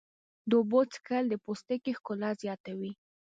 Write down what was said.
د اوبو څښل د پوستکي ښکلا زیاتوي.